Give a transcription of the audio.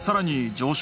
上昇